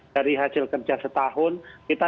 dari hasil kerja setahun kita